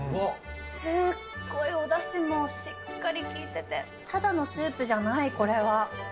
すっごいおだしもしっかり効いてて、ただのスープじゃない、これは。